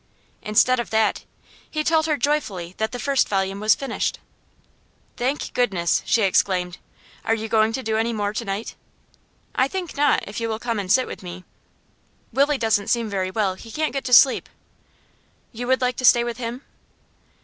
Instead of that, he told her joyfully that the first volume was finished. 'Thank goodness!' she exclaimed. 'Are you going to do any more to night?' 'I think not if you will come and sit with me.' 'Willie doesn't seem very well. He can't get to sleep.' 'You would like to stay with him?